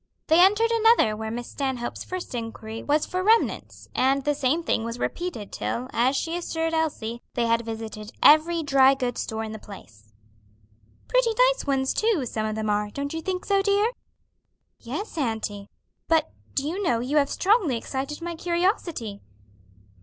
They entered another where Miss Stanhope's first inquiry was for remnants, and the same thing was repeated till, as she assured Elsie, they had visited every dry goods store in the place. "Pretty nice ones, too, some of them are; don't you think so, dear?" "Yes, auntie; but do you know you have strongly excited my curiosity?"